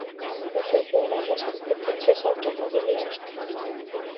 Lo suyo eran las competencias automovilísticas.